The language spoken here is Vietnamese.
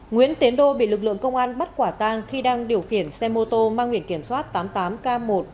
nguyễn tiến đô bị lực lượng công an bắt quả tàng khi đang điều khiển xe mô tô mang nguyện kiểm soát tám mươi tám k một trăm một mươi tám nghìn một trăm sáu mươi bảy